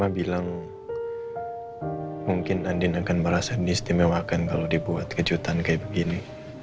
bilang mungkin andin akan merasa diistimewakan kalau dibuat kejutan kayak begini